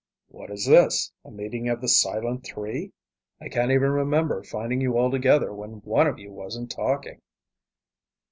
"What is this, a meeting of the Silent Three? I can't ever remember finding you all together when one of you wasn't talking."